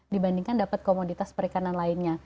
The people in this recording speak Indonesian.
dibandingkan dapat komoditas perikanan lainnya